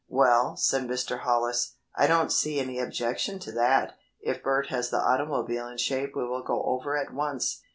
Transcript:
"Well," said Mr. Hollis, "I don't see any objection to that. If Bert has the automobile in shape we will go over at once."